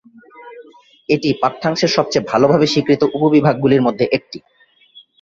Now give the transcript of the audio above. এটি পাঠ্যাংশের সবচেয়ে ভালভাবে স্বীকৃত উপবিভাগগুলির মধ্যে একটি।